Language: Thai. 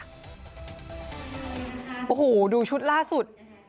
โอ้โหดูชุดล่าสุด